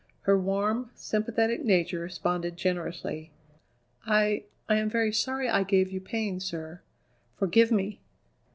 Her warm, sympathetic nature responded generously. "I I am very sorry I gave you pain, sir. Forgive me!"